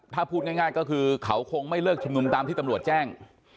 ถ้าพูดง่ายก็คือเขาคงไม่เลิกชุมนุมตามที่ตำรวจแจ้ง